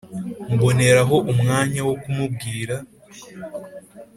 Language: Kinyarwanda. mboneraho umwanya wo kumubwira